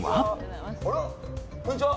こんにちは。